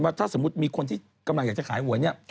ถ้าสมมุติมีคนที่กำลังอยากจะขายหวยเนี่ย